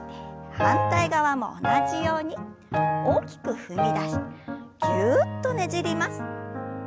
反対側も同じように大きく踏み出してぎゅっとねじります。